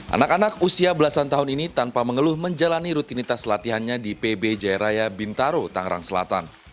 anak anak usia belasan tahun ini tanpa mengeluh menjalani rutinitas latihannya di pb jaya raya bintaro tangerang selatan